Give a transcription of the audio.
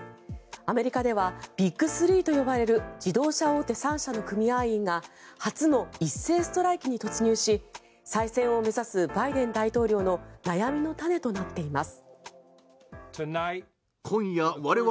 アメリカではビッグスリーと呼ばれる自動車大手３社の組合員が初の一斉ストライキに突入し再選を目指すバイデン大統領の悩みの種となっています。